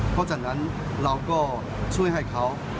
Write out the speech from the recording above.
เพราะฉะนั้นเราก็ช่วยให้เขา